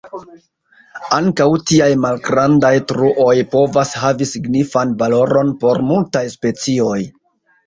Ankaŭ tiaj malgrandaj truoj povas havi signifan valoron por multaj specioj.